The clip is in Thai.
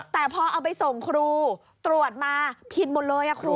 แต่พอเอาไปส่งครูตรวจมาผิดหมดเลยครู